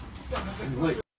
すごい。